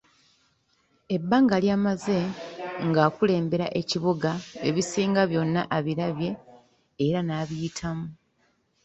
Ebbanga lyamaze ng'akulembera ekibuga ebisinga byonna abirabye era na biyitamu.